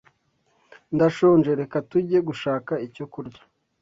Ndashonje. Reka tujye gushaka icyo kurya.